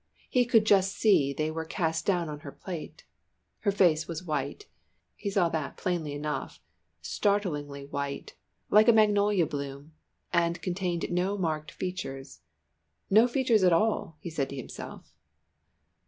He could just see they were cast down on her plate. Her face was white, he saw that plainly enough, startlingly white, like a magnolia bloom, and contained no marked features. No features at all! he said to himself.